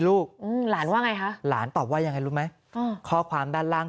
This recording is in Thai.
ลูกอืมหลานว่าไงคะหลานตอบว่ายังไงรู้ไหมอืมข้อความด้านล่าง